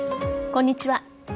こんにちは。